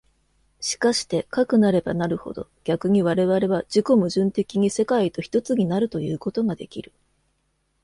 しかしてかくなればなるほど、逆に我々は自己矛盾的に世界と一つになるということができる。